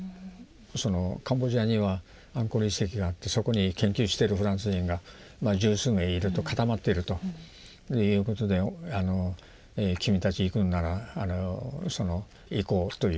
そのカンボジアにはアンコール遺跡があってそこに研究してるフランス人が十数名いると固まっているということで君たち行くんなら行こうという話になったんですね。